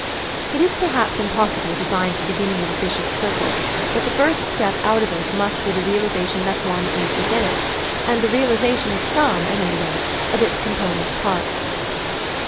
_ It is perhaps impossible to find the beginning of a vicious circle, but the first step out of itinust be the realisation that one is within it, and the realisation of some, at any rate, of its component parts.